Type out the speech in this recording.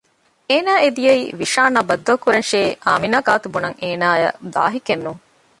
އޭނާ އެ ދިޔައީ ވިޝާން އާ ބައްދަލުކުރަންށޭ އާމިނާ ގާތު ބުނަން އޭނާއަށް ލާހިކެއް ނޫން